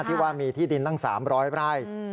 ที่ว่ามีที่ดินตั้งสามร้อยปลายอืม